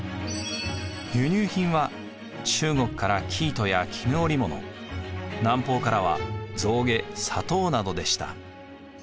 輸入品は中国から生糸や絹織物南方からは象牙・砂糖などでした。